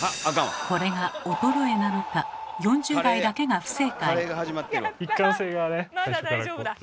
これが衰えなのか４０代だけが不正解。